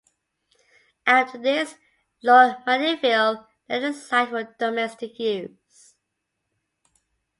After this, Lord Mandeville let the site for domestic use.